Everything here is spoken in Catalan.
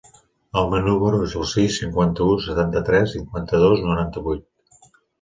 El meu número es el sis, cinquanta-u, setanta-tres, cinquanta-dos, noranta-vuit.